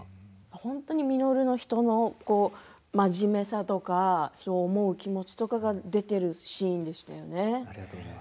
本当に稔という人の真面目さとか人を思う気持ちとかが出ているシーンでしたよね。